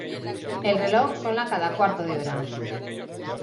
El reloj suena cada cuarto de hora.